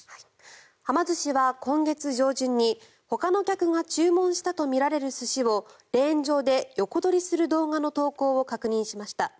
はま寿司は今月上旬にほかの客が注文したとみられる寿司をレーン上で横取りする動画の投稿を確認しました。